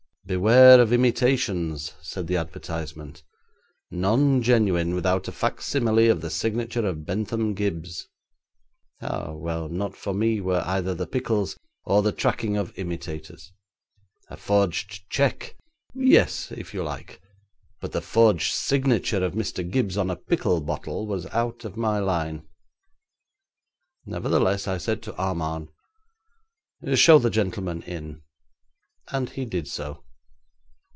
'Beware of imitations,' said the advertisement; 'none genuine without a facsimile of the signature of Bentham Gibbes.' Ah, well, not for me were either the pickles or the tracking of imitators. A forged cheque! yes, if you like, but the forged signature of Mr. Gibbes on a pickle bottle was out of my line. Nevertheless, I said to Armand: 'Show the gentleman in,' and he did so.